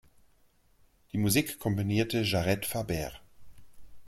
Die Musik komponierte Jared Faber.